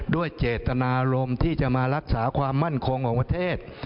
ด้วยเจตนารมณ์ที่จะมารักษาความมั่นคงของประเทศ